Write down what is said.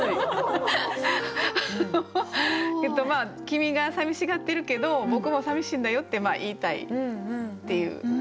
君がさみしがってるけど僕もさみしいんだよって言いたいっていう。